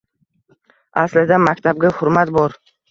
Aslida, maktabga hurmat bor.